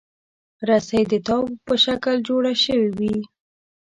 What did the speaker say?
رسۍ د تاو په شکل جوړه شوې وي.